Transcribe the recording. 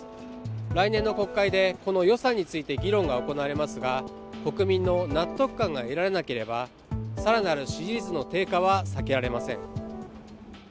来年の国会でこの予算について議論が行われますが国民の納得感が得られなければ更なる支持率の低下は避けられません。